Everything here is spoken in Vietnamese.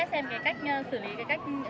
nếu mà mất thì đã mất lâu rồi